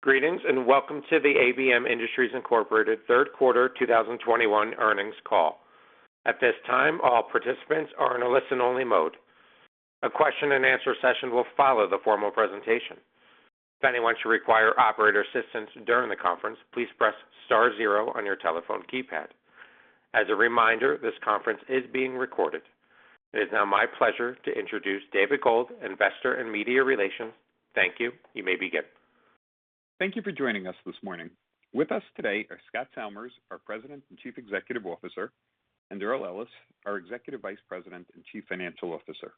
Greetings, and welcome to the ABM Industries Incorporated third quarter 2021 earnings call. It is now my pleasure to introduce [David Gold], investor and media relations. Thank you. You may begin. Thank you for joining us this morning. With us today are Scott Salmirs, our President and Chief Executive Officer, and Earl Ellis, our Executive Vice President and Chief Financial Officer.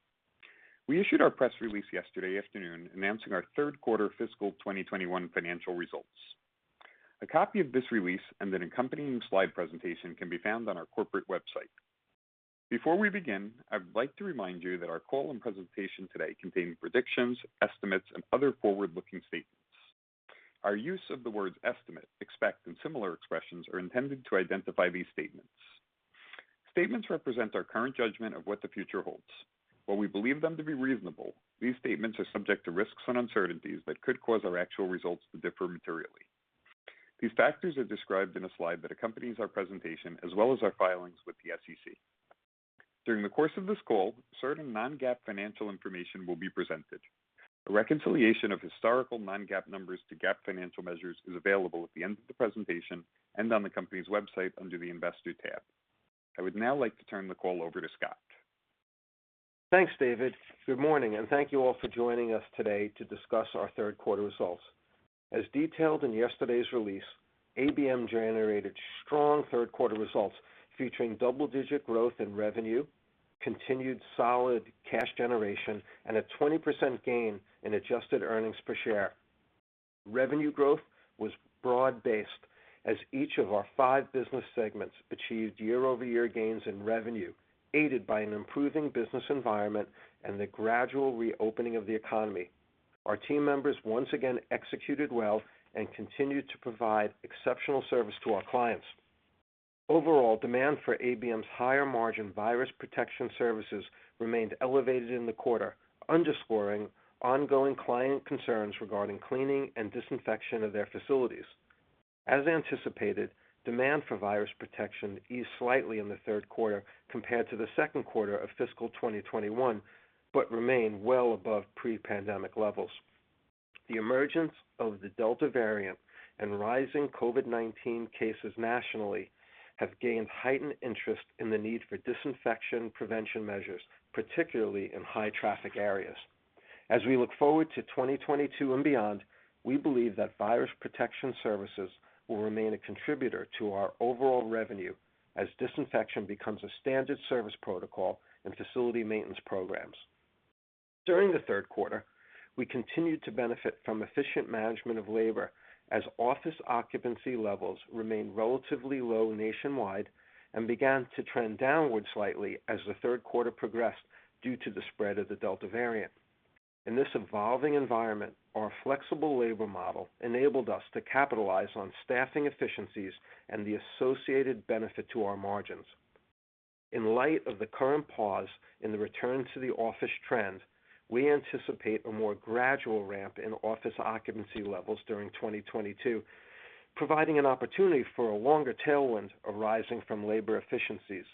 We issued our press release yesterday afternoon announcing our third quarter fiscal 2021 financial results. A copy of this release and an accompanying slide presentation can be found on our corporate website. Before we begin, I would like to remind you that our call and presentation today contain predictions, estimates, and other forward-looking statements. Our use of the words estimate, expect, and similar expressions are intended to identify these statements. Statements represent our current judgment of what the future holds. While we believe them to be reasonable, these statements are subject to risks and uncertainties that could cause our actual results to differ materially. These factors are described in a slide that accompanies our presentation, as well as our filings with the SEC. During the course of this call, certain non-GAAP financial information will be presented. A reconciliation of historical non-GAAP numbers to GAAP financial measures is available at the end of the presentation and on the company's website under the investor tab. I would now like to turn the call over to Scott. Thanks, David. Good morning, and thank you all for joining us today to discuss our third quarter results. As detailed in yesterday's release, ABM generated strong third quarter results featuring double-digit growth in revenue, continued solid cash generation, and a 20% gain in adjusted earnings per share. Revenue growth was broad-based as each of our five business segments achieved year-over-year gains in revenue, aided by an improving business environment and the gradual reopening of the economy. Our team members once again executed well and continued to provide exceptional service to our clients. Overall, demand for ABM's higher margin virus protection services remained elevated in the quarter, underscoring ongoing client concerns regarding cleaning and disinfection of their facilities. As anticipated, demand for virus protection eased slightly in the third quarter compared to the second quarter of fiscal 2021, but remained well above pre-pandemic levels. The emergence of the Delta variant and rising COVID-19 cases nationally have gained heightened interest in the need for disinfection prevention measures, particularly in high-traffic areas. As we look forward to 2022 and beyond, we believe that virus protection services will remain a contributor to our overall revenue as disinfection becomes a standard service protocol in facility maintenance programs. During the third quarter, we continued to benefit from efficient management of labor as office occupancy levels remained relatively low nationwide and began to trend downward slightly as the third quarter progressed due to the spread of the Delta variant. In this evolving environment, our flexible labor model enabled us to capitalize on staffing efficiencies and the associated benefit to our margins. In light of the current pause in the return to the office trend, we anticipate a more gradual ramp in office occupancy levels during 2022, providing an opportunity for a longer tailwind arising from labor efficiencies.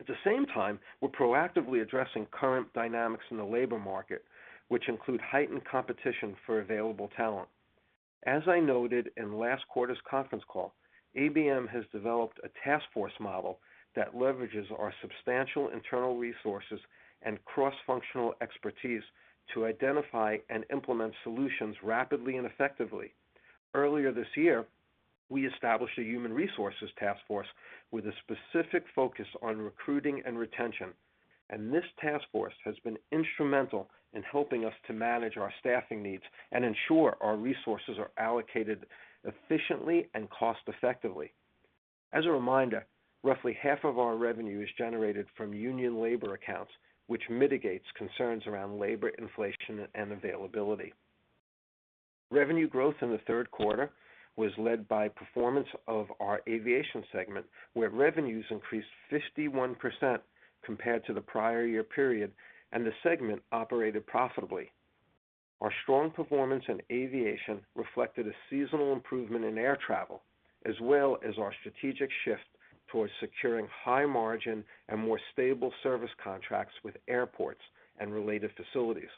At the same time, we're proactively addressing current dynamics in the labor market, which include heightened competition for available talent. As I noted in last quarter's conference call, ABM has developed a task force model that leverages our substantial internal resources and cross-functional expertise to identify and implement solutions rapidly and effectively. Earlier this year, we established a human resources task force with a specific focus on recruiting and retention, and this task force has been instrumental in helping us to manage our staffing needs and ensure our resources are allocated efficiently and cost effectively. As a reminder, roughly half of our revenue is generated from union labor accounts, which mitigates concerns around labor inflation and availability. Revenue growth in the third quarter was led by performance of our Aviation segment, where revenues increased 51% compared to the prior year period, and the segment operated profitably. Our strong performance in Aviation reflected a seasonal improvement in air travel, as well as our strategic shift towards securing high margin and more stable service contracts with airports and related facilities.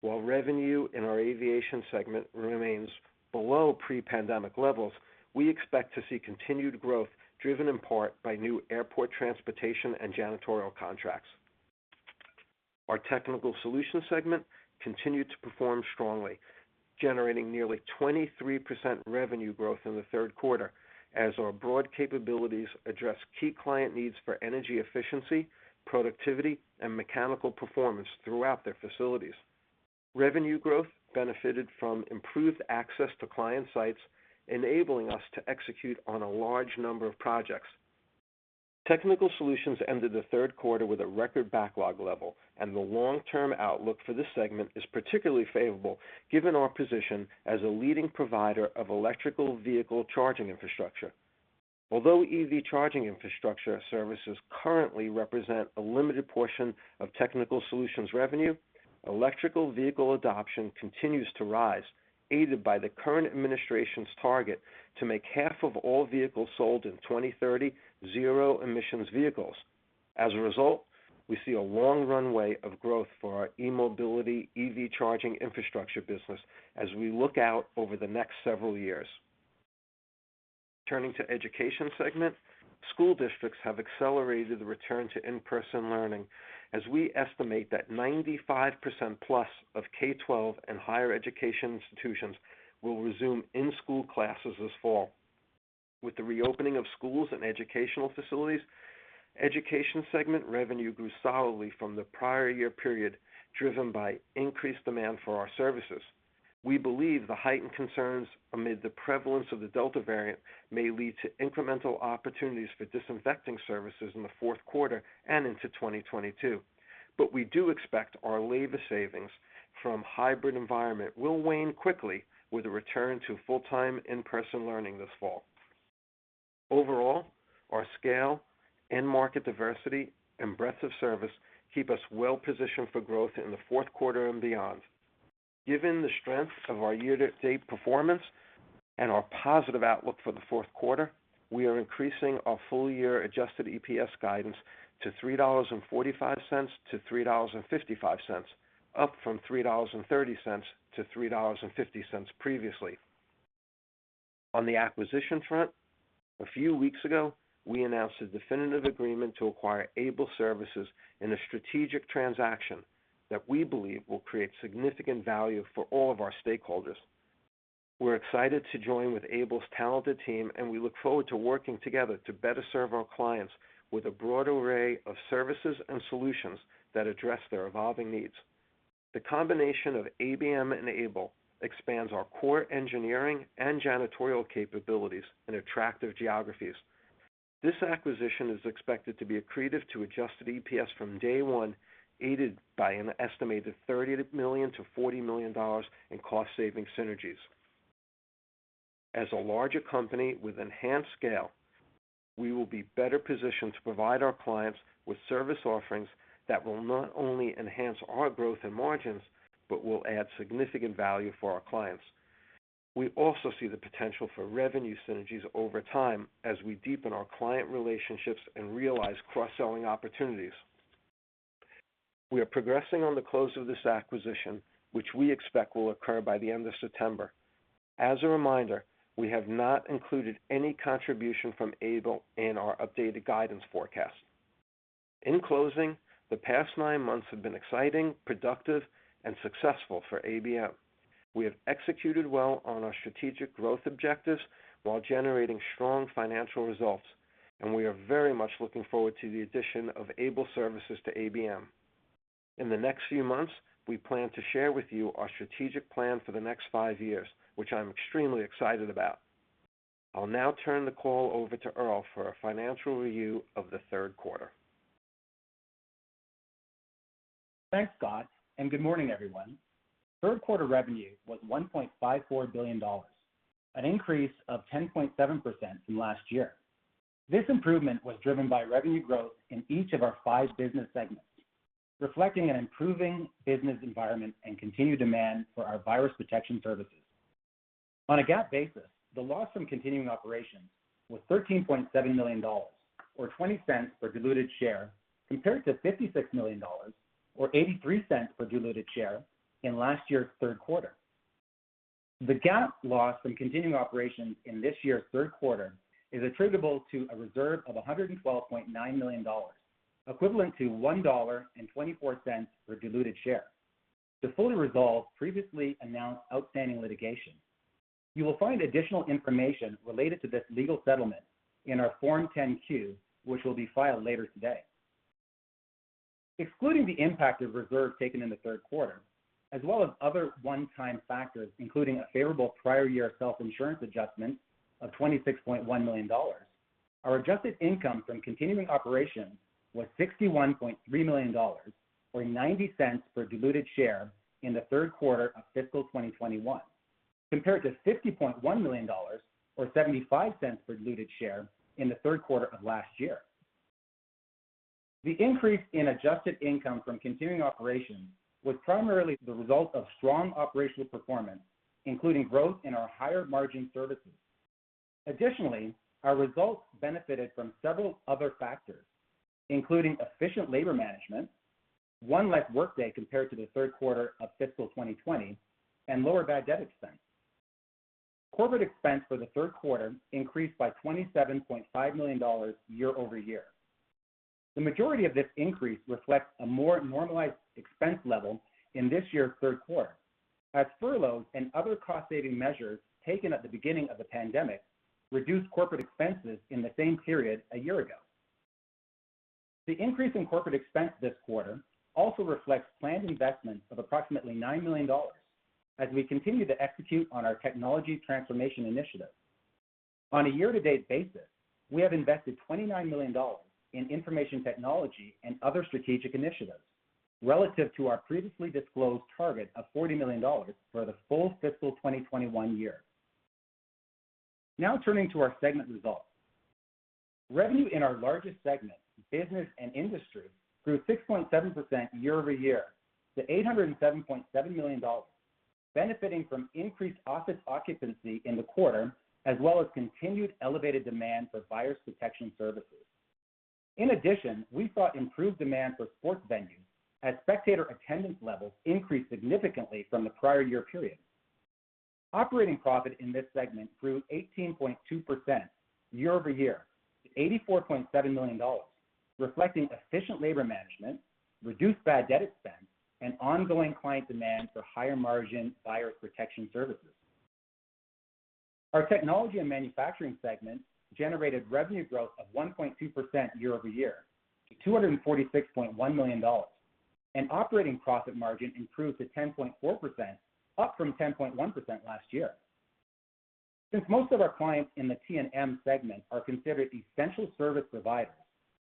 While revenue in our Aviation segment remains below pre-pandemic levels, we expect to see continued growth driven in part by new airport transportation and janitorial contracts. Our Technical Solutions segment continued to perform strongly, generating nearly 23% revenue growth in the third quarter as our broad capabilities address key client needs for energy efficiency, productivity, and mechanical performance throughout their facilities. Revenue growth benefited from improved access to client sites, enabling us to execute on a large number of projects. Technical Solutions ended the third quarter with a record backlog level, and the long-term outlook for this segment is particularly favorable given our position as a leading provider of electrical vehicle charging infrastructure. Although EV charging infrastructure services currently represent a limited portion of Technical Solutions revenue, electrical vehicle adoption continues to rise, aided by the current administration's target to make half of all vehicles sold in 2030 zero emissions vehicles. As a result, we see a long runway of growth for our e-mobility EV charging infrastructure business as we look out over the next several years. Turning to Education segment, school districts have accelerated the return to in-person learning, as we estimate that 95%+ of K12 and higher education institutions will resume in-school classes this fall. With the reopening of schools and educational facilities, Education segment revenue grew solidly from the prior year period, driven by increased demand for our services. We believe the heightened concerns amid the prevalence of the Delta variant may lead to incremental opportunities for disinfecting services in the fourth quarter and into 2022. We do expect our labor savings from hybrid environment will wane quickly with a return to full-time in-person learning this fall. Overall, our scale and market diversity and breadth of service keep us well-positioned for growth in the fourth quarter and beyond. Given the strength of our year-to-date performance and our positive outlook for the fourth quarter, we are increasing our full-year adjusted EPS guidance to $3.45-$3.55, up from $3.30-$3.50 previously. On the acquisition front, a few weeks ago, we announced a definitive agreement to acquire Able Services in a strategic transaction that we believe will create significant value for all of our stakeholders. We're excited to join with Able's talented team, and we look forward to working together to better serve our clients with a broad array of services and solutions that address their evolving needs. The combination of ABM and Able expands our core engineering and janitorial capabilities in attractive geographies. This acquisition is expected to be accretive to adjusted EPS from day one, aided by an estimated $30 million-$40 million in cost-saving synergies. As a larger company with enhanced scale, we will be better positioned to provide our clients with service offerings that will not only enhance our growth and margins, but will add significant value for our clients. We also see the potential for revenue synergies over time as we deepen our client relationships and realize cross-selling opportunities. We are progressing on the close of this acquisition, which we expect will occur by the end of September. As a reminder, we have not included any contribution from Able in our updated guidance forecast. In closing, the past nine months have been exciting, productive, and successful for ABM. We have executed well on our strategic growth objectives while generating strong financial results, and we are very much looking forward to the addition of Able Services to ABM. In the next few months, we plan to share with you our strategic plan for the next five years, which I'm extremely excited about. I'll now turn the call over to Earl for a financial review of the third quarter. Thanks, Scott, good morning, everyone. Third quarter revenue was $1.54 billion, an increase of 10.7% from last year. This improvement was driven by revenue growth in each of our five business segments, reflecting an improving business environment and continued demand for our virus protection services. On a GAAP basis, the loss from continuing operations was $13.7 million, or $0.20 per diluted share, compared to $56 million or $0.83 per diluted share in last year's third quarter. The GAAP loss from continuing operations in this year's third quarter is attributable to a reserve of $112.9 million, equivalent to $1.24 per diluted share to fully resolve previously announced outstanding litigation. You will find additional information related to this legal settlement in our Form 10-Q, which will be filed later today. Excluding the impact of reserve taken in the third quarter, as well as other one-time factors, including a favorable prior year self-insurance adjustment of $26.1 million, our adjusted income from continuing operations was $61.3 million, or $0.90 per diluted share in the third quarter of fiscal 2021, compared to $50.1 million or $0.75 per diluted share in the third quarter of last year. The increase in adjusted income from continuing operations was primarily the result of strong operational performance, including growth in our higher margin services. Additionally, our results benefited from several other factors, including efficient labor management, one less workday compared to the third quarter of fiscal 2020, and lower bad debt expense. Corporate expense for the third quarter increased by $27.5 million year-over-year. The majority of this increase reflects a more normalized expense level in this year's third quarter, as furloughs and other cost-saving measures taken at the beginning of the pandemic reduced corporate expenses in the same period a year ago. The increase in corporate expense this quarter also reflects planned investments of approximately $9 million as we continue to execute on our technology transformation initiative. On a year-to-date basis, we have invested $29 million in information technology and other strategic initiatives. Relative to our previously disclosed target of $40 million for the full fiscal 2021 year. Turning to our segment results. Revenue in our largest segment, Business & Industry, grew 6.7% year-over-year to $807.7 million, benefiting from increased office occupancy in the quarter, as well as continued elevated demand for virus protection services. In addition, we saw improved demand for sports venues as spectator attendance levels increased significantly from the prior year period. Operating profit in this segment grew 18.2% year-over-year to $84.7 million, reflecting efficient labor management, reduced bad debt expense, and ongoing client demand for higher margin virus protection services. Our Technology & Manufacturing segment generated revenue growth of 1.2% year-over-year to $246.1 million, and operating profit margin improved to 10.4%, up from 10.1% last year. Since most of our clients in the T&M segment are considered essential service providers,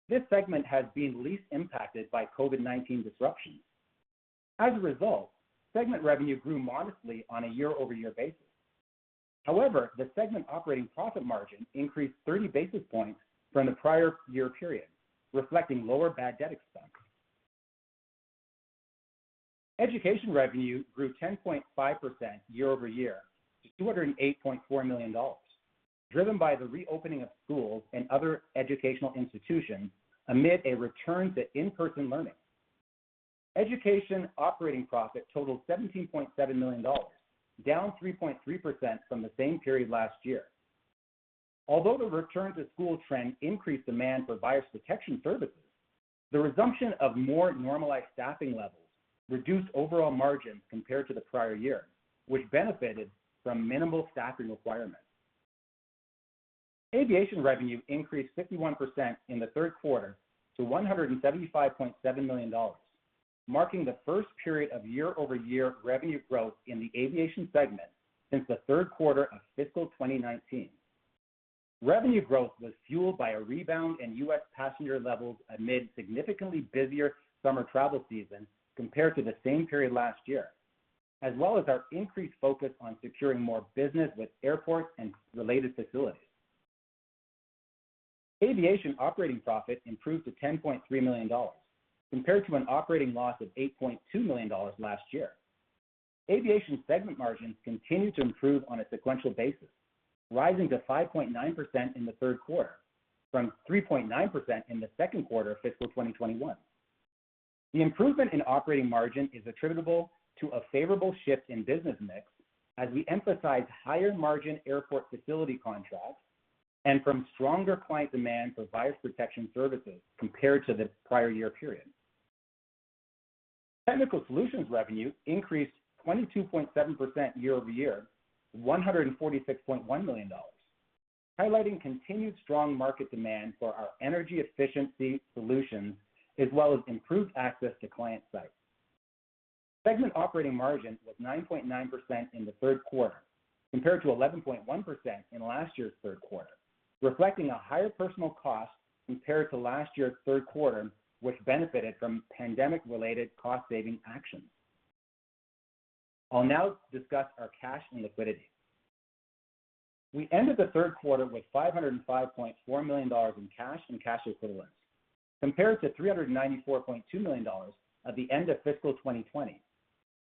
this segment has been least impacted by COVID-19 disruptions. As a result, segment revenue grew modestly on a year-over-year basis. However, the segment operating profit margin increased 30 basis points from the prior year period, reflecting lower bad debt expense. Education revenue grew 10.5% year-over-year to $208.4 million, driven by the reopening of schools and other educational institutions amid a return to in-person learning. Education operating profit totaled $17.7 million, down 3.3% from the same period last year. Although the return to school trend increased demand for virus protection services, the resumption of more normalized staffing levels reduced overall margins compared to the prior year, which benefited from minimal staffing requirements. Aviation revenue increased 51% in the third quarter to $175.7 million, marking the first period of year-over-year revenue growth in the Aviation segment since the third quarter of fiscal 2019. Revenue growth was fueled by a rebound in U.S. passenger levels amid significantly busier summer travel season compared to the same period last year, as well as our increased focus on securing more business with airports and related facilities. Aviation operating profit improved to $10.3 million compared to an operating loss of $8.2 million last year. Aviation segment margins continue to improve on a sequential basis, rising to 5.9% in the third quarter from 3.9% in the second quarter of fiscal 2021. The improvement in operating margin is attributable to a favorable shift in business mix as we emphasize higher margin airport facility contracts and from stronger client demand for virus protection services compared to the prior year period. Technical Solutions revenue increased 22.7% year-over-year to $146.1 million, highlighting continued strong market demand for our energy efficiency solutions as well as improved access to client sites. Segment operating margin was 9.9% in the third quarter, compared to 11.1% in last year's third quarter, reflecting a higher personnel cost compared to last year's third quarter, which benefited from pandemic related cost saving actions. I'll now discuss our cash and liquidity. We ended the third quarter with $505.4 million in cash and cash equivalents, compared to $394.2 million at the end of fiscal 2020,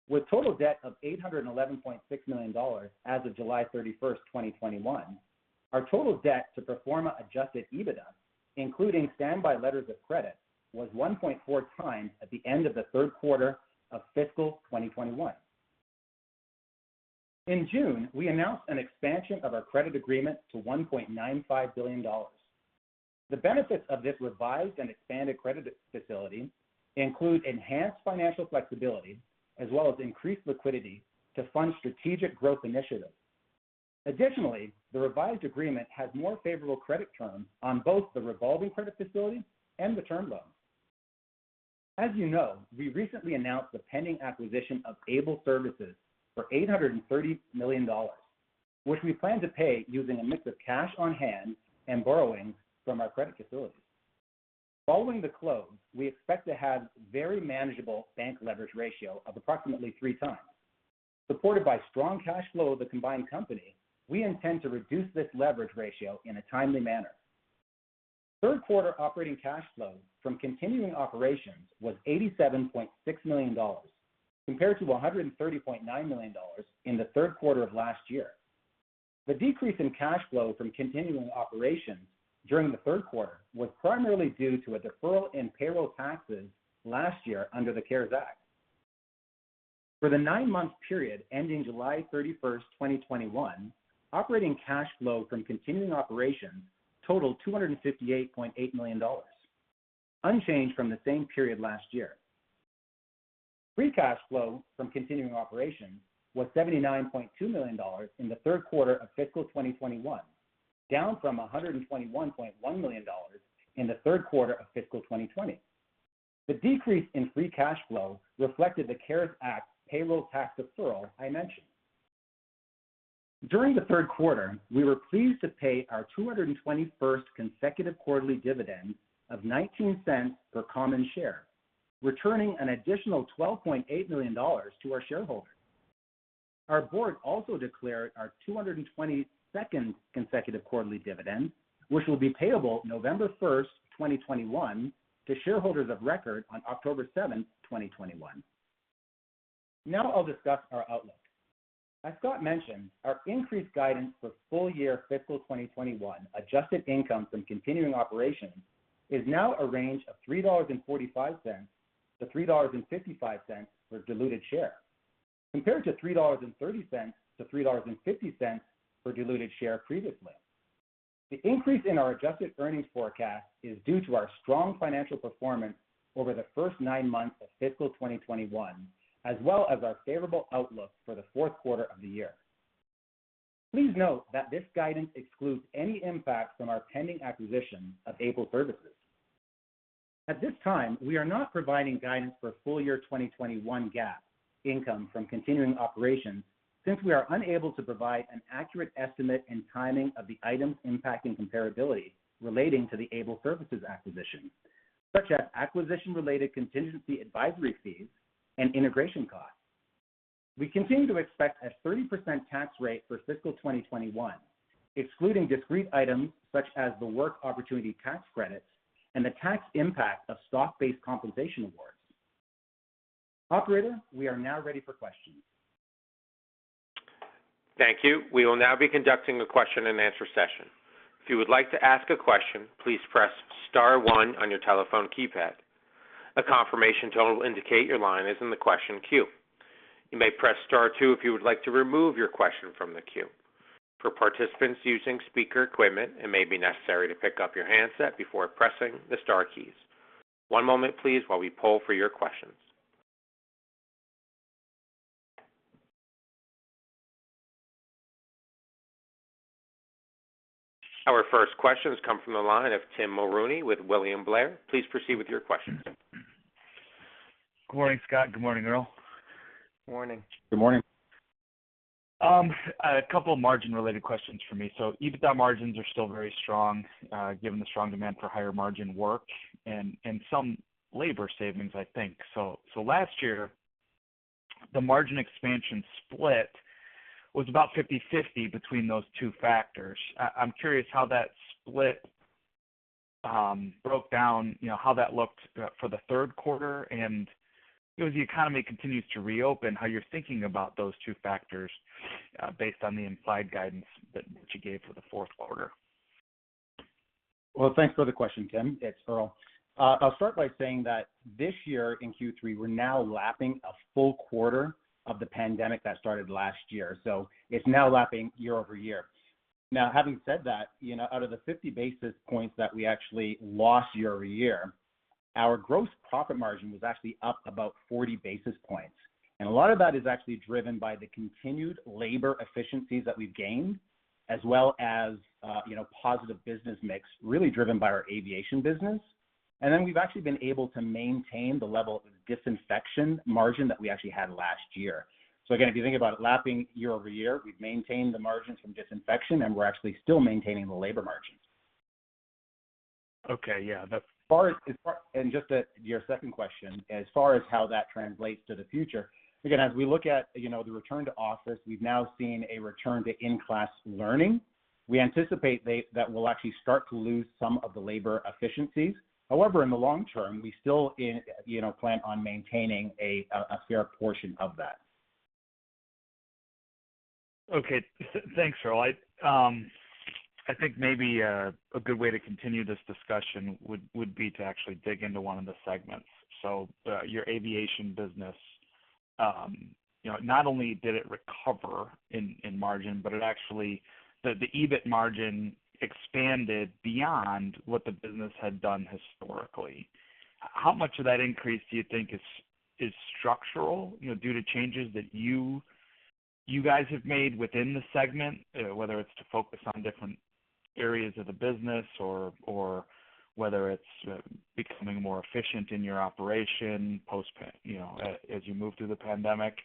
with total debt of $811.6 million as of July 31st, 2021. Our total debt to pro forma adjusted EBITDA, including standby letters of credit, was 1.4x at the end of the third quarter of fiscal 2021. In June, we announced an expansion of our credit agreement to $1.95 billion. The benefits of this revised and expanded credit facility include enhanced financial flexibility as well as increased liquidity to fund strategic growth initiatives. Additionally, the revised agreement has more favorable credit terms on both the revolving credit facility and the term loans. As you know, we recently announced the pending acquisition of Able Services for $830 million, which we plan to pay using a mix of cash on hand and borrowing from our credit facilities. Following the close, we expect to have very manageable bank leverage ratio of approximately 3x. Supported by strong cash flow of the combined company, we intend to reduce this leverage ratio in a timely manner. Third quarter operating cash flow from continuing operations was $87.6 million, compared to $130.9 million in the third quarter of last year. The decrease in cash flow from continuing operations during the third quarter was primarily due to a deferral in payroll taxes last year under the CARES Act. For the nine-month period ending July 31st, 2021, operating cash flow from continuing operations totaled $258.8 million, unchanged from the same period last year. Free cash flow from continuing operations was $79.2 million in the third quarter of fiscal 2021, down from $121.1 million in the third quarter of fiscal 2020. The decrease in free cash flow reflected the CARES Act payroll tax deferral I mentioned. During the third quarter, we were pleased to pay our 221st consecutive quarterly dividend of $0.19 per common share, returning an additional $12.8 million to our shareholders. Our board also declared our 222nd consecutive quarterly dividend, which will be payable November 1st, 2021, to shareholders of record on October 7th, 2021. I'll discuss our outlook. As Scott mentioned, our increased guidance for full year fiscal 2021 adjusted income from continuing operations is now a range of $3.45-$3.55 per diluted share, compared to $3.30-$3.50 per diluted share previously. The increase in our adjusted earnings forecast is due to our strong financial performance over the first nine months of fiscal 2021, as well as our favorable outlook for the fourth quarter of the year. Please note that this guidance excludes any impact from our pending acquisition of Able Services. At this time, we are not providing guidance for full year 2021 GAAP income from continuing operations since we are unable to provide an accurate estimate and timing of the items impacting comparability relating to the Able Services acquisition, such as acquisition-related contingency advisory fees and integration costs. We continue to expect a 30% tax rate for fiscal 2021, excluding discrete items such as the Work Opportunity Tax Credit and the tax impact of stock-based compensation awards. Operator, we are now ready for questions. Thank you. Our first question has come from the line of Tim Mulrooney with William Blair. Please proceed with your question. Good morning, Scott. Good morning, Earl. Morning. Good morning. A couple of margin-related questions for me. EBITDA margins are still very strong, given the strong demand for higher margin work and some labor savings, I think. Last year, the margin expansion split was about 50/50 between those two factors. I'm curious how that split broke down, how that looked for the third quarter, and as the economy continues to reopen, how you're thinking about those two factors based on the implied guidance that you gave for the fourth quarter. Thanks for the question, Tim. It's Earl. I'll start by saying that this year in Q3, we're now lapping a full quarter of the pandemic that started last year. It's now lapping year-over-year. Having said that, out of the 50 basis points that we actually lost year-over-year, our gross profit margin was actually up about 40 basis points. A lot of that is actually driven by the continued labor efficiencies that we've gained as well as positive business mix, really driven by our Aviation business. We've actually been able to maintain the level of disinfection margin that we actually had last year. If you think about it lapping year-over-year, we've maintained the margins from disinfection, and we're actually still maintaining the labor margins. Okay. Yeah. Just your second question, as far as how that translates to the future, again, as we look at the return to office, we've now seen a return to in-class learning. We anticipate that we'll actually start to lose some of the labor efficiencies. However, in the long term, we still plan on maintaining a fair portion of that. Okay, thanks, Earl. I think maybe a good way to continue this discussion would be to actually dig into one of the segments. Your Aviation business, not only did it recover in margin, but the EBIT margin expanded beyond what the business had done historically. How much of that increase do you think is structural, due to changes that you guys have made within the segment, whether it's to focus on different areas of the business or whether it's becoming more efficient in your operation as you move through the pandemic?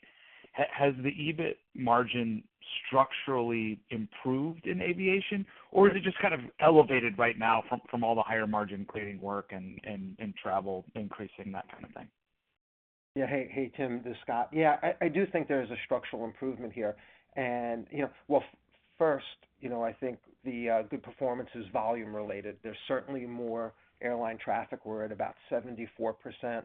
Has the EBIT margin structurally improved in Aviation, or is it just kind of elevated right now from all the higher margin cleaning work and travel increasing, that kind of thing? Yeah. Hey, Tim. This is Scott. Yeah, I do think there is a structural improvement here. Well, first, I think the good performance is volume related. There's certainly more airline traffic. We're at about 74%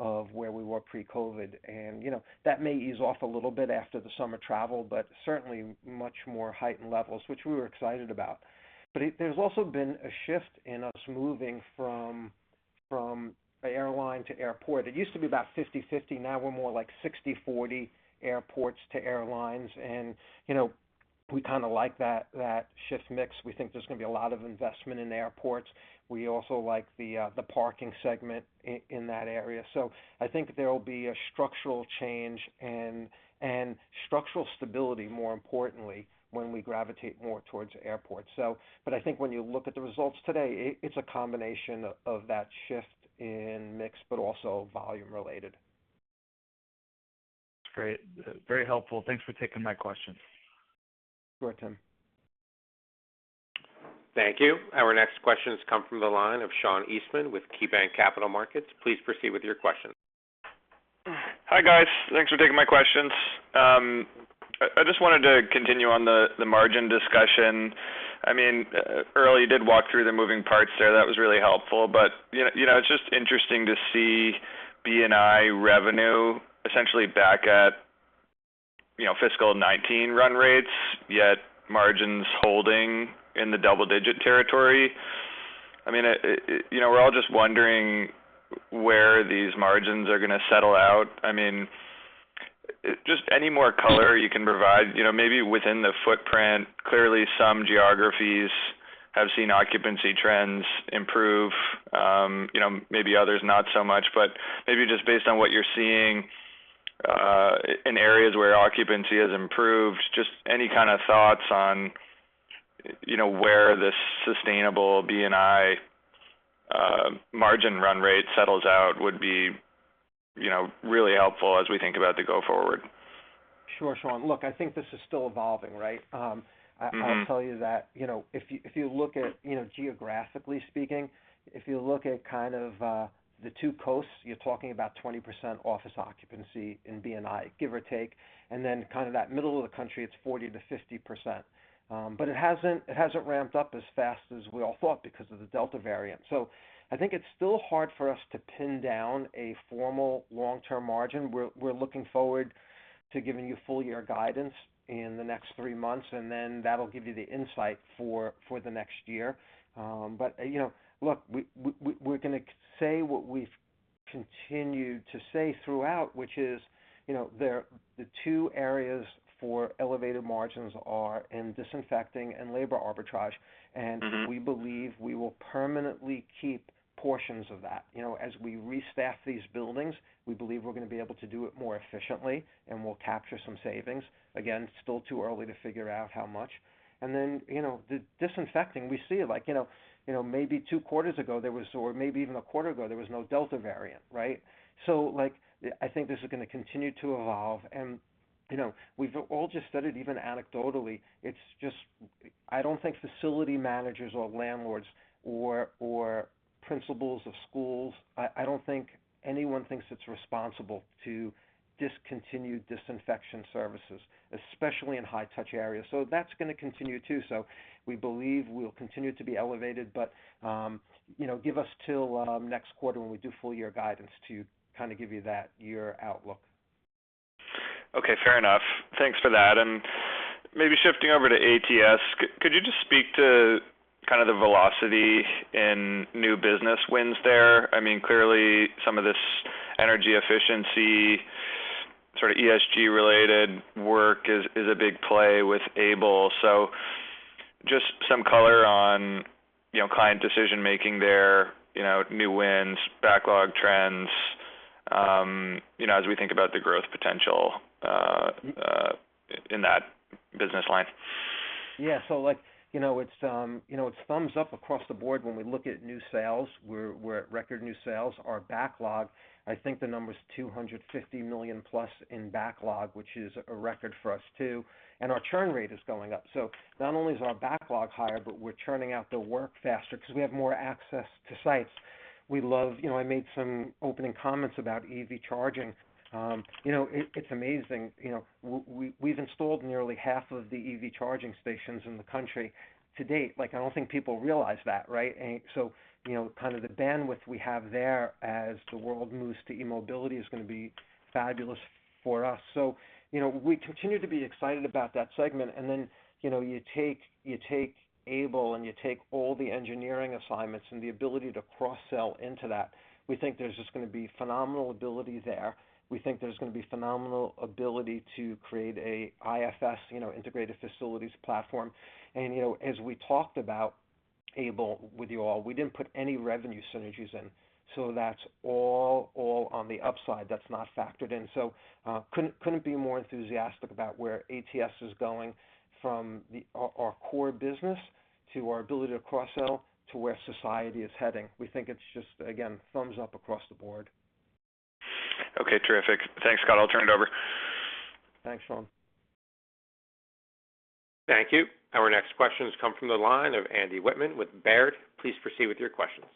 of where we were pre-COVID, and that may ease off a little bit after the summer travel, but certainly much more heightened levels, which we were excited about. There's also been a shift in us moving from airline to airport. It used to be about 50/50. Now we're more like 60/40 airports to airlines, and we kind of like that shift mix. We think there's going to be a lot of investment in airports. We also like the parking segment in that area. I think there will be a structural change and structural stability, more importantly, when we gravitate more towards airports. I think when you look at the results today, it's a combination of that shift in mix, but also volume related. Great. Very helpful. Thanks for taking my question. Sure, Tim. Thank you. Our next questions come from the line of Sean Eastman with KeyBanc Capital Markets. Please proceed with your questions. Hi, guys. Thanks for taking my questions. I just wanted to continue on the margin discussion. Earl, you did walk through the moving parts there. That was really helpful. It's just interesting to see B&I revenue essentially back at fiscal 2019 run rates, yet margins holding in the double-digit territory. We're all just wondering where these margins are going to settle out. Just any more color you can provide. Maybe within the footprint, clearly some geographies have seen occupancy trends improve. Maybe others, not so much. Maybe just based on what you're seeing in areas where occupancy has improved, just any kind of thoughts on where this sustainable B&I margin run rate settles out would be really helpful as we think about the go forward. Sure, Sean. Look, I think this is still evolving, right? I'll tell you that, geographically speaking, if you look at kind of the two coasts, you're talking about 20% office occupancy in B&I, give or take. Then kind of that middle of the country, it's 40%-50%. It hasn't ramped up as fast as we all thought because of the Delta variant. I think it's still hard for us to pin down a formal long-term margin. We're looking forward to giving you full year guidance in the next three months, that'll give you the insight for the next year. Look, we're going to say what we've continued to say throughout, which is, the two areas for elevated margins are in disinfecting and labor arbitrage. We believe we will permanently keep portions of that. As we restaff these buildings, we believe we're going to be able to do it more efficiently and we'll capture some savings. Again, still too early to figure out how much. The disinfecting, we see it. Maybe two quarters ago, or maybe even a quarter ago, there was no Delta variant, right? I think this is going to continue to evolve, and we've all just studied, even anecdotally. I don't think facility managers or landlords or principals of schools, I don't think anyone thinks it's responsible to discontinue disinfection services, especially in high-touch areas. That's going to continue, too. We believe we'll continue to be elevated, but give us till next quarter when we do full year guidance to kind of give you that year outlook. Okay, fair enough. Thanks for that. Maybe shifting over to ATS, could you just speak to kind of the velocity in new business wins there? Clearly, some of this energy efficiency, sort of ESG-related work is a big play with Able. Just some color on client decision-making there, new wins, backlog trends, as we think about the growth potential in that business line. Yeah. It's thumbs up across the board when we look at new sales. We're at record new sales. Our backlog, I think the number's $250 million-plus in backlog, which is a record for us, too. Our churn rate is going up. Not only is our backlog higher, but we're churning out the work faster because we have more access to sites. I made some opening comments about EV charging. It's amazing. We've installed nearly half of the EV charging stations in the country to date. I don't think people realize that, right? Kind of the bandwidth we have there as the world moves to e-mobility is going to be fabulous for us. We continue to be excited about that segment. You take Able Services and you take all the engineering assignments and the ability to cross-sell into that. We think there's just going to be phenomenal ability there. We think there's going to be phenomenal ability to create a IFS, Integrated Facilities platform. As we talked about Able with you all, we didn't put any revenue synergies in, so that's all on the upside. That's not factored in. Couldn't be more enthusiastic about where ATS is going from our core business, to our ability to cross-sell, to where society is heading. We think it's just, again, thumbs up across the board. Okay, terrific. Thanks, Scott, I'll turn it over. Thanks, Sean. Thank you. Our next questions come from the line of Andy Wittmann with Baird. Please proceed with your questions.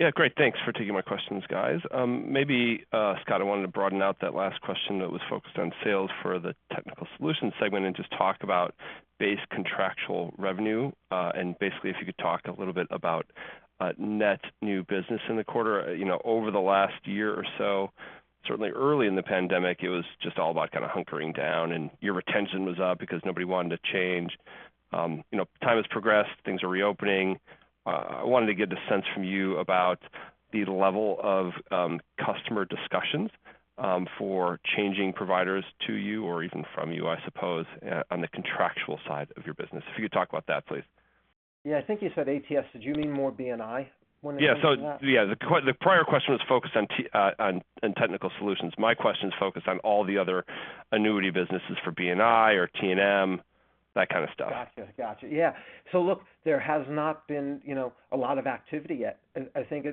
Yeah, great. Thanks for taking my questions, guys. Maybe, Scott, I wanted to broaden out that last question that was focused on sales for the Technical Solutions segment and just talk about base contractual revenue. Basically if you could talk a little bit about net new business in the quarter. Over the last year or so, certainly early in the pandemic, it was just all about kind of hunkering down, and your retention was up because nobody wanted to change. Time has progressed, things are reopening. I wanted to get the sense from you about the level of customer discussions for changing providers to you or even from you, I suppose, on the contractual side of your business. If you could talk about that, please. Yeah. I think you said ATS. Did you mean more B&I when you mentioned that? Yeah. The prior question was focused on Technical Solutions. My question is focused on all the other annuity businesses for B&I or T&M. That kind of stuff. Got you. Yeah. Look, there has not been a lot of activity yet. I think,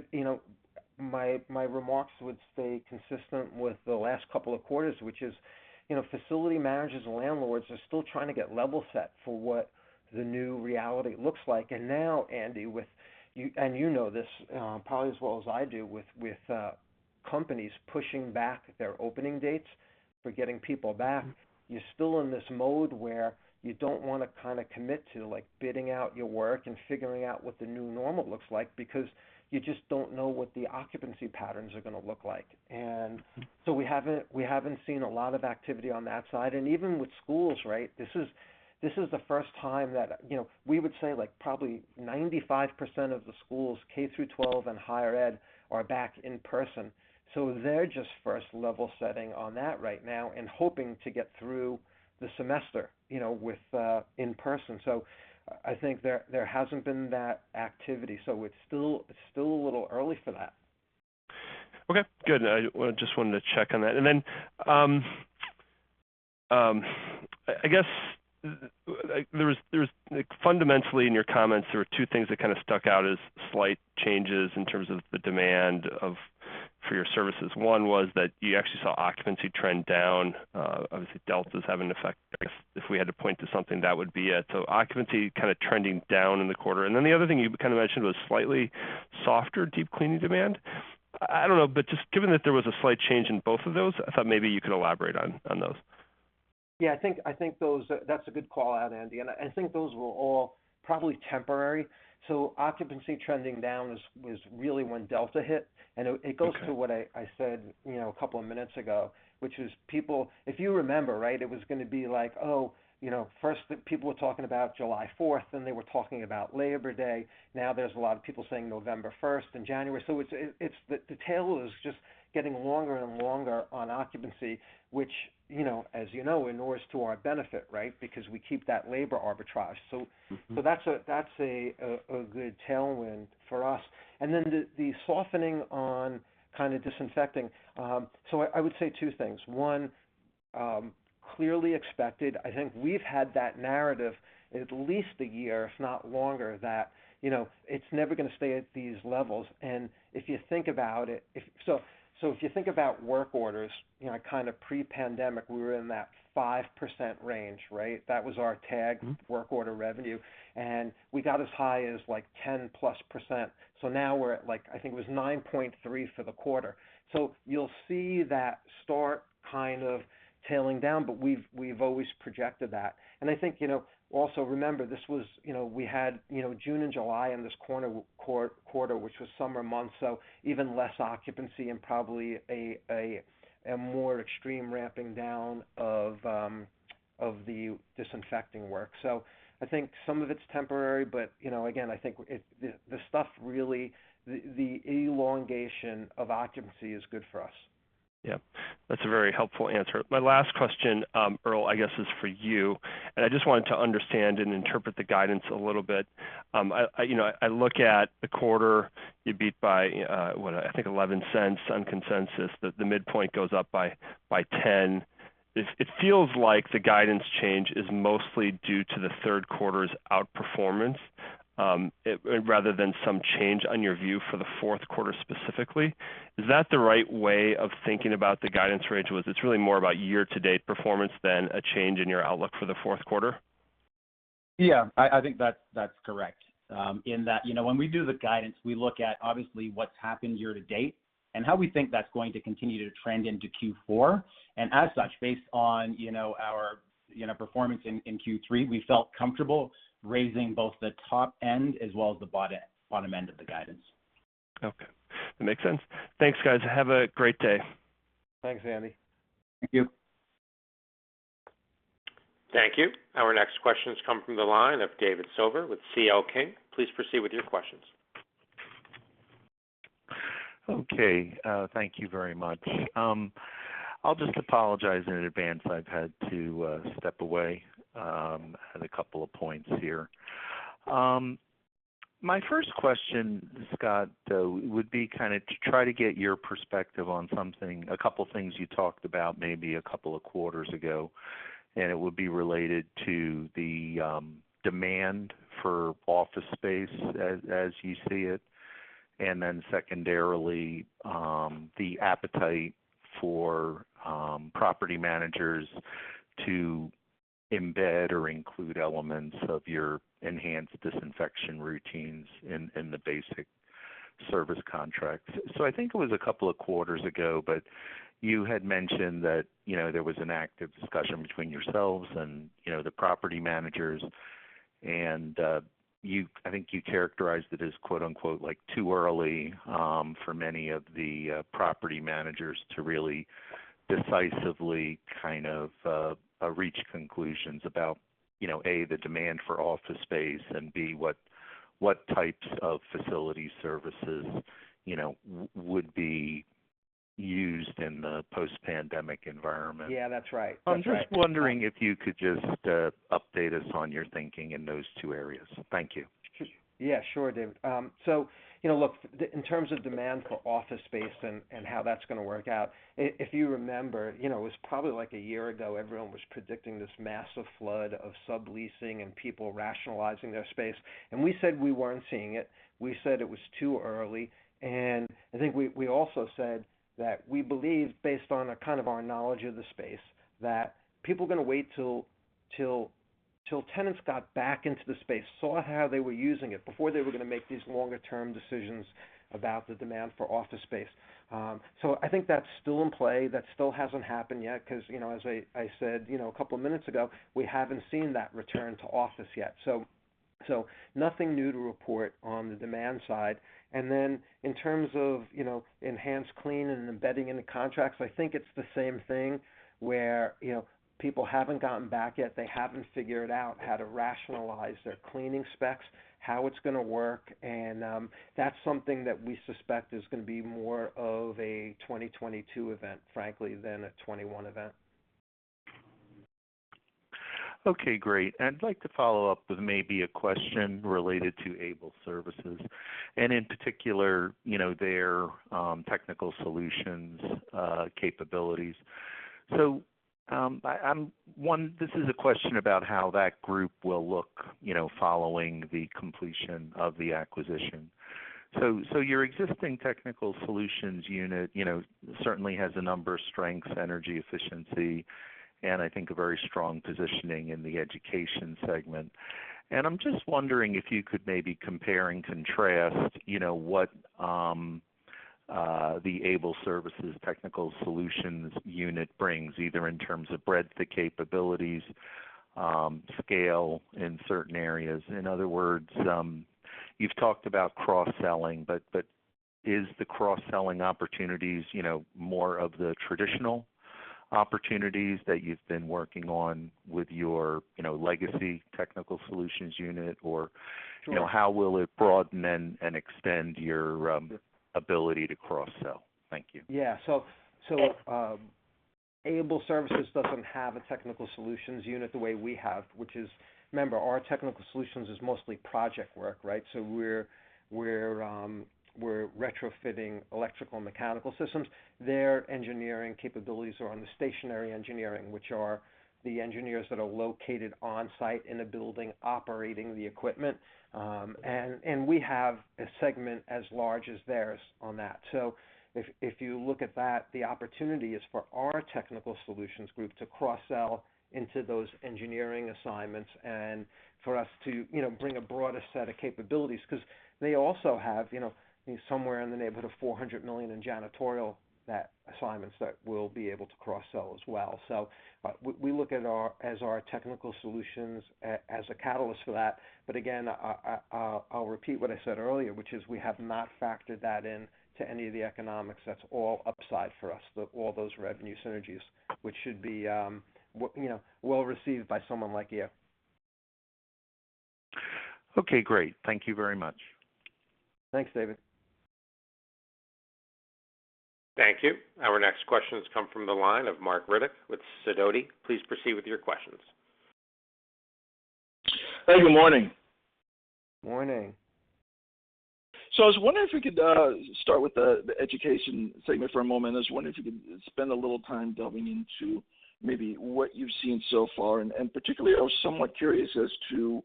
my remarks would stay consistent with the last couple of quarters, which is, facility managers and landlords are still trying to get level set for what the new reality looks like. Now, Andy with, and you know this probably as well as I do, with companies pushing back their opening dates for getting people back, you're still in this mode where you don't want to commit to bidding out your work and figuring out what the new normal looks like because you just don't know what the occupancy patterns are going to look like. We haven't seen a lot of activity on that side. Even with schools, right? This is the first time that, we would say probably 95% of the schools K through 12 and higher ed are back in person. They're just first level setting on that right now and hoping to get through the semester in person. I think there hasn't been that activity. It's still a little early for that. Okay, good. I just wanted to check on that. I guess, fundamentally in your comments, there were two things that stuck out as slight changes in terms of the demand for your services. One was that you actually saw occupancy trend down. Obviously Delta is having an effect there. If we had to point to something, that would be it. Occupancy trending down in the quarter. The other thing you mentioned was slightly softer deep cleaning demand. I don't know, just given that there was a slight change in both of those, I thought maybe you could elaborate on those. Yeah, I think that's a good call-out, Andy, and I think those were all probably temporary. Occupancy trending down was really when Delta hit. Okay. It goes to what I said a couple of minutes ago, which is people, if you remember, it was going to be like, oh, first people were talking about July 4th, then they were talking about Labor Day. Now there's a lot of people saying November 1st and January. The tail is just getting longer and longer on occupancy, which as you know, inures to our benefit, right? Because we keep that labor arbitrage. That's a good tailwind for us. Then the softening on kind of disinfecting. I would say two things. One, clearly expected. I think we've had that narrative at least a year, if not longer, that it's never going to stay at these levels. If you think about it, if you think about work orders, kind of pre-pandemic, we were in that 5% range, right? That was our tag work order revenue, we got as high as like 10%+. Now we're at, like, I think it was 9.3% for the quarter. You'll see that start kind of tailing down, we've always projected that. I think, also remember, we had June and July in this quarter, which was summer months, even less occupancy and probably a more extreme ramping down of the disinfecting work. I think some of it's temporary, again, I think the stuff really, the elongation of occupancy is good for us. Yep. That's a very helpful answer. My last question, Earl, I guess is for you, and I just wanted to understand and interpret the guidance a little bit. I look at the quarter, you beat by, what, I think $0.11 on consensus. The midpoint goes up by $0.10. It feels like the guidance change is mostly due to the third quarter's outperformance, rather than some change on your view for the fourth quarter specifically. Is that the right way of thinking about the guidance range because, is it's really more about year-to-date performance than a change in your outlook for the fourth quarter? Yeah, I think that's correct, in that when we do the guidance, we look at obviously what's happened year-to-date and how we think that's going to continue to trend into Q4. As such, based on our performance in Q3, we felt comfortable raising both the top end as well as the bottom end of the guidance. Okay. That makes sense. Thanks, guys. Have a great day. Thanks, Andy. Thank you. Thank you. Our next questions come from the line of David Silver with CL King. Please proceed with your questions. Okay. Thank you very much. I'll just apologize in advance. I've had to step away at a couple of points here. My first question, Scott, though, would be kind of to try to get your perspective on a couple of things you talked about maybe a couple of quarters ago, and it would be related to the demand for office space as you see it, and then secondarily, the appetite for property managers to embed or include elements of your enhanced disinfection routines in the basic service contracts. I think it was a couple of quarters ago, but you had mentioned that there was an active discussion between yourselves and the property managers, and I think you characterized it as quote unquote, "too early" for many of the property managers to really decisively kind of reach conclusions about, A, the demand for office space, and B, what types of facility services would be used in the post-pandemic environment. Yeah, that's right. I'm just wondering if you could just update us on your thinking in those two areas. Thank you. Yeah. Sure, David. Look, in terms of demand for office space and how that's going to work out, if you remember, it was probably like a year ago, everyone was predicting this massive flood of subleasing and people rationalizing their space, and we said we weren't seeing it. We said it was too early, I think we also said that we believe, based on our knowledge of the space, that people are going to wait till tenants got back into the space, saw how they were using it before they were going to make these longer-term decisions about the demand for office space. I think that's still in play. That still hasn't happened yet because, as I said a couple of minutes ago, we haven't seen that return to office yet. Nothing new to report on the demand side. Then in terms of enhanced cleaning and embedding in the contracts, I think it's the same thing, where people haven't gotten back yet. They haven't figured out how to rationalize their cleaning specs, how it's going to work, that's something that we suspect is going to be more of a 2022 event, frankly, than a 2021 event. Okay, great. I'd like to follow up with maybe a question related to Able Services, and in particular, their Technical Solutions capabilities. This is a question about how that group will look following the completion of the acquisition. Your existing Technical Solutions unit certainly has a number of strengths, energy efficiency, and I think a very strong positioning in the Education segment. I'm just wondering if you could maybe compare and contrast what the Able Services Technical Solutions unit brings, either in terms of breadth of capabilities, scale in certain areas. In other words, you've talked about cross-selling, but is the cross-selling opportunities more of the traditional opportunities that you've been working on with your legacy Technical Solutions unit, or. Sure. How will it broaden and extend your ability to cross-sell? Thank you. Yeah. Able Services doesn't have a Technical Solutions unit the way we have, which is, remember, our Technical Solutions is mostly project work, right? We're retrofitting electrical and mechanical systems. Their engineering capabilities are on the stationary engineering, which are the engineers that are located on-site in a building operating the equipment. We have a segment as large as theirs on that. If you look at that, the opportunity is for our Technical Solutions group to cross-sell into those engineering assignments and for us to bring a broader set of capabilities, because they also have somewhere in the neighborhood of $400 million in janitorial assignments that we'll be able to cross-sell as well. We look at our Technical Solutions as a catalyst for that. Again, I'll repeat what I said earlier, which is we have not factored that into any of the economics. That's all upside for us, all those revenue synergies, which should be well-received by someone like you. Okay, great. Thank you very much. Thanks, David. Thank you. Our next question has come from the line of Marc Riddick with Sidoti. Please proceed with your questions. Hey, good morning. Morning. I was wondering if we could start with the Education segment for a moment. I was wondering if you could spend a little time delving into maybe what you've seen so far. Particularly, I was somewhat curious as to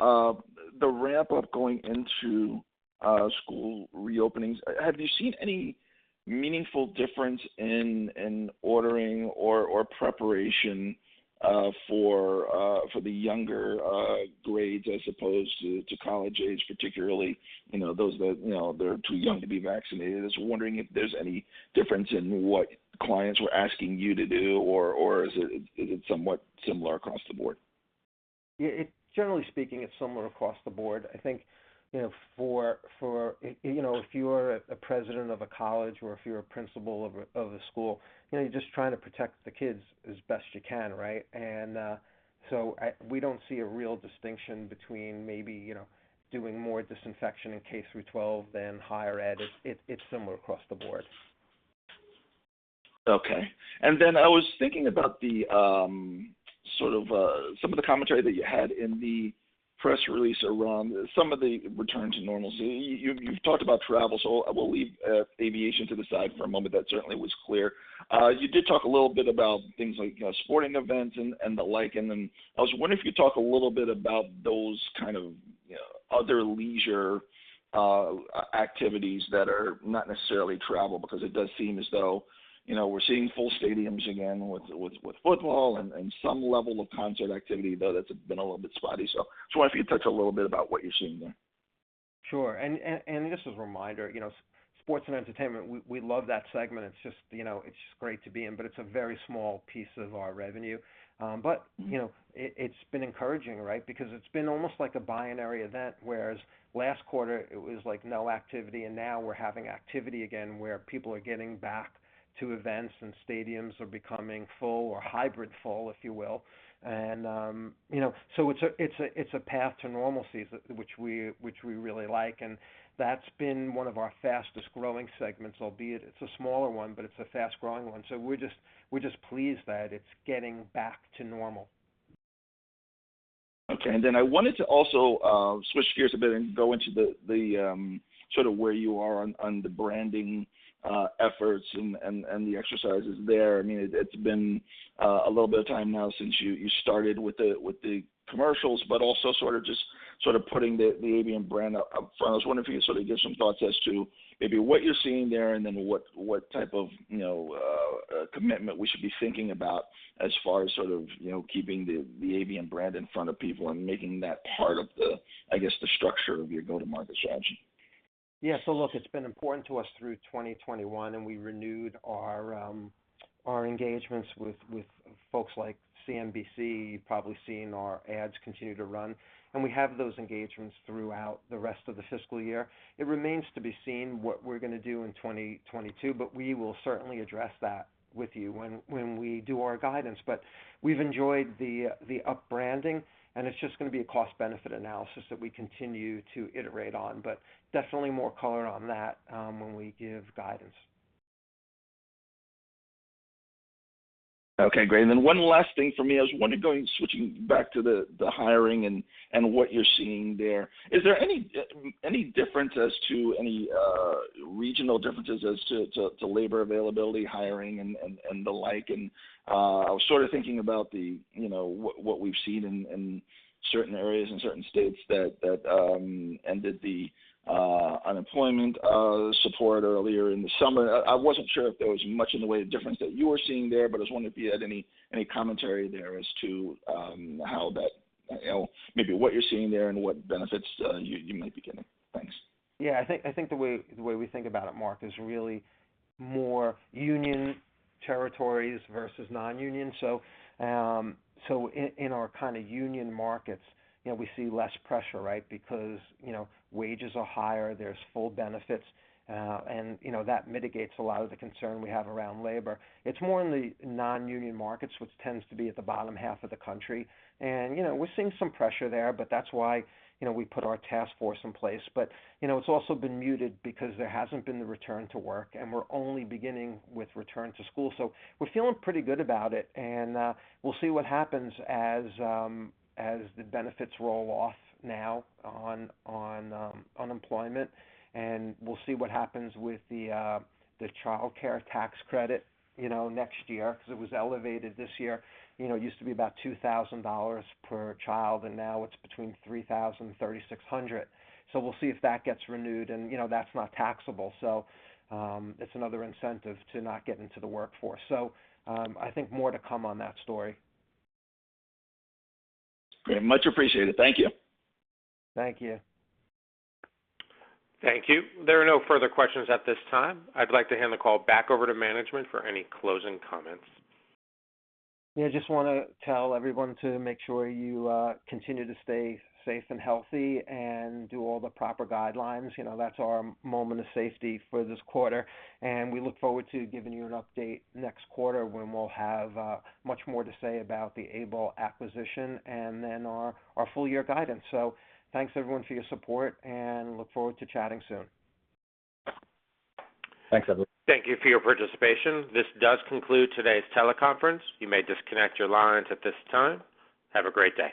the ramp-up going into school reopenings. Have you seen any meaningful difference in ordering or preparation for the younger grades as opposed to college age particularly, those that are too young to be vaccinated? I was wondering if there's any difference in what clients were asking you to do, or is it somewhat similar across the board? Yeah. Generally speaking, it's similar across the board. I think if you are a president of a college or if you're a principal of a school, you're just trying to protect the kids as best you can, right? We don't see a real distinction between maybe doing more disinfection in K through 12 than higher ed. It's similar across the board. Okay. I was thinking about some of the commentary that you had in the press release around some of the return to normalcy. You've talked about travel, so I will leave Aviation to the side for a moment. That certainly was clear. You did talk a little bit about things like sporting events and the like, and then I was wondering if you'd talk a little bit about those kind of other leisure activities that are not necessarily travel, because it does seem as though we're seeing full stadiums again with football and some level of concert activity, though that's been a little bit spotty. I was wondering if you'd touch a little bit about what you're seeing there. Sure. Just as a reminder, Sports & Entertainment, we love that segment. It's just great to be in, but it's a very small piece of our revenue. It's been encouraging, right? Because it's been almost like a binary event, whereas last quarter it was no activity, and now we're having activity again where people are getting back to events and stadiums are becoming full or hybrid full, if you will. It's a path to normalcy, which we really like, and that's been one of our fastest-growing segments, albeit it's a smaller one, but it's a fast-growing one. We're just pleased that it's getting back to normal. Okay. I wanted to also switch gears a bit and go into where you are on the branding efforts and the exercises there. It's been a little bit of time now since you started with the commercials, but also just sort of putting the ABM brand up front. I was wondering if you could give some thoughts as to maybe what you're seeing there, and then what type of commitment we should be thinking about as far as keeping the ABM brand in front of people and making that part of the structure of your go-to-market strategy. Look, it's been important to us through 2021, and we renewed our engagements with folks like CNBC. You've probably seen our ads continue to run. We have those engagements throughout the rest of the fiscal year. It remains to be seen what we're going to do in 2022, but we will certainly address that with you when we do our guidance. We've enjoyed the up branding, and it's just going to be a cost-benefit analysis that we continue to iterate on, but definitely more color on that when we give guidance. Okay, great. Then one last thing from me. I was wondering, switching back to the hiring and what you're seeing there, is there any difference as to any regional differences as to labor availability, hiring, and the like? I was sort of thinking about what we've seen in certain areas and certain states that ended the unemployment support earlier in the summer. I wasn't sure if there was much in the way of difference that you were seeing there, but I was wondering if you had any commentary there as to maybe what you're seeing there and what benefits you might be getting. Thanks. Yeah, I think the way we think about it, Marc, is really more union territories versus non-union. In our kind of union markets, we see less pressure, right? Because wages are higher, there's full benefits, and that mitigates a lot of the concern we have around labor. It's more in the non-union markets, which tends to be at the bottom half of the country. We're seeing some pressure there, but that's why we put our task force in place. It's also been muted because there hasn't been the return to work, and we're only beginning with return to school. We're feeling pretty good about it, and we'll see what happens as the benefits roll off now on unemployment. We'll see what happens with the childcare tax credit next year, because it was elevated this year. It used to be about $2,000 per child, and now it's between $3,000 and $3,600. We'll see if that gets renewed. That's not taxable. It's another incentive to not get into the workforce. I think more to come on that story. Great. Much appreciated. Thank you. Thank you. Thank you. There are no further questions at this time. I'd like to hand the call back over to management for any closing comments. Just want to tell everyone to make sure you continue to stay safe and healthy and do all the proper guidelines. That's our moment of safety for this quarter, and we look forward to giving you an update next quarter when we'll have much more to say about the Able acquisition and then our full year guidance. Thanks everyone for your support, and look forward to chatting soon. Thanks, everyone. Thank you for your participation. This does conclude today's teleconference. You may disconnect your lines at this time. Have a great day.